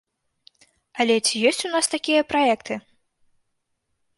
Але ці ёсць у нас такія праекты?